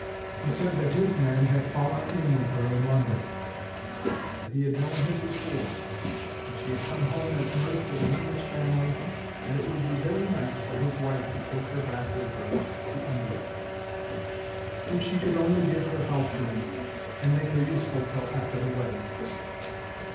He said that his man had fallen in with her in London; that he had known her before; that she had come home as nurse with an English family, and it would be very nice for his wife to take her back with her to India, if she could only give her house room, and make her useful till after the wedding.